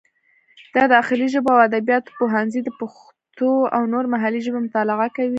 د داخلي ژبو او ادبیاتو پوهنځی د پښتو او نورې محلي ژبې مطالعه کوي.